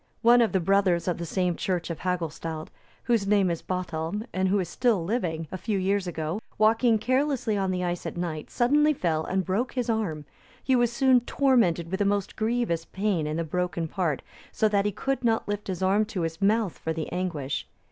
One of the brothers of the same church of Hagulstald, whose name is Bothelm, and who is still living, a few years ago, walking carelessly on the ice at night, suddenly fell and broke his arm; he was soon tormented with a most grievous pain in the broken part, so that he could not lift his arm to his mouth for the anguish.